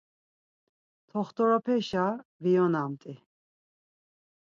T̆oxt̆orepeşa viyonamt̆i.